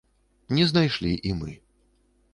Не знайшлі і мы.